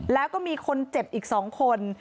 แล้วก็มีคนเจ็บอีก๒คน